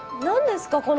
何ですか？